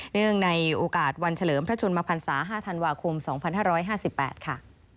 เนื่องในโอกาสวันเฉลิมพระชนมพันศา๕ธันวาคม๒๕๕๘ค่ะ